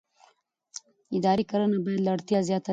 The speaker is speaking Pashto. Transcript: اداري کړنه باید له اړتیا زیاته نه وي.